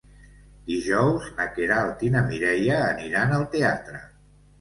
Dijous na Queralt i na Mireia aniran al teatre.